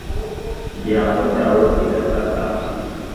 Igihango cyabo kigasagamba.